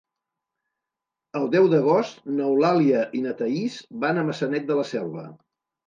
El deu d'agost n'Eulàlia i na Thaís van a Maçanet de la Selva.